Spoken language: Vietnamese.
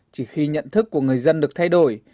chỉ khi nhận thức của người dân được thay đổi